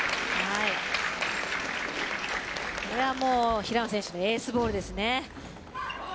これは平野選手エースボールですね。